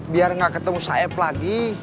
biar gak ketemu saeb lagi